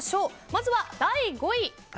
まずは第５位。